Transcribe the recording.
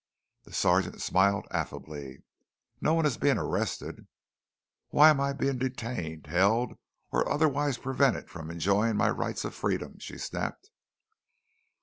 The sergeant smiled affably. "No one is being arrested." "Why am I being detained, held, or otherwise prevented from enjoying my rights of freedom?" she snapped.